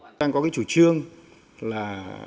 tôi đang có cái chủ trương là